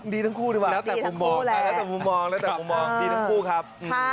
ดีทั้งคู่ดีกว่าแล้วแต่ผมมองดีทั้งคู่ครับ